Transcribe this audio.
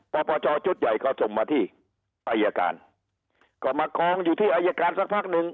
ปปชชุดใหญ่ก็ส่งมาที่อายการก็มากองอยู่ที่อายการสักพักหนึ่ง